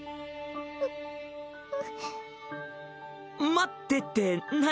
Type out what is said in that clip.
待ってって何？